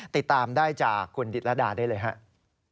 ติดตามได้จากคุณดิตรดาได้เลยครับ